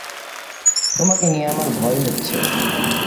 তোমাকে নিয়ে আমার ভয় হচ্ছে।